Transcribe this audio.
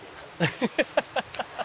「ハハハハ！」